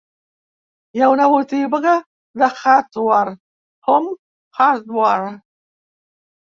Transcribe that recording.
Hi ha una botiga de hardware: Home Hardware.